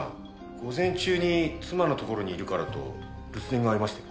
午前中に妻のところにいるからと留守電がありました。